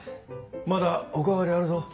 まだお代わりあるぞ。